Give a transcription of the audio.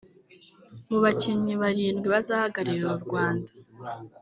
Mu bakinnyi barindwi bazahagararira u Rwanda